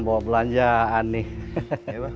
bawa belanjaan nih